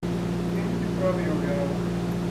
Не ми ги прави овие работи.